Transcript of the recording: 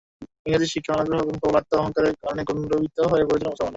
ইংরেজি শিক্ষায় অনাগ্রহ এবং প্রবল আত্ম-অহংকারের কারণে গণ্ডিবদ্ধ হয়ে পড়েছিল মুসলমানরা।